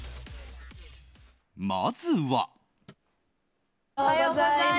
まずは。